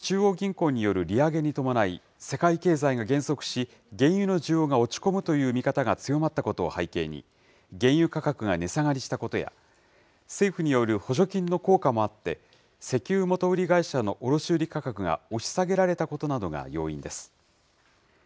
ガソリン価格の値下がりは４週連続で、欧米の中央銀行による利上げに伴い、世界経済が減速し、原油の需要が落ち込むという見方が強まったことを背景に、原油価格が値下がりしたことや、政府による補助金の効果もあって、石油元売り会社の卸売り価格が押し下げられたことなどが要因です。